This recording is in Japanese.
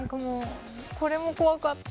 これも怖かった。